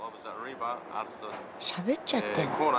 しゃべっちゃってんだ。